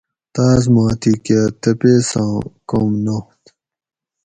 تاۤس ما تھی کہۤ تپیساں کوم نات